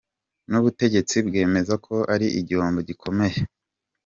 N’ubutegetsi bwemeza ko ari igihombo gikomeye.